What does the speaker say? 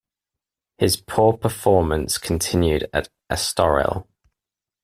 His poor performance continued at Estoril.